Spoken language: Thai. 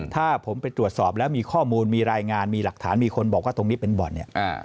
ถ้าผมไปตรวจสอบแล้วมีข้อมูลมีรายงานมีหลักฐานมีคนบอกว่าตรงนี้เป็นบ่อนเนี่ย